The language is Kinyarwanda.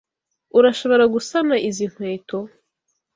Urashobora gusana izi nkweto?